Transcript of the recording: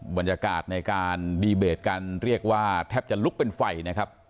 บรรยากาศในการดีเบตกันเรียกว่าแทบจะลุกเป็นไฟนะครับ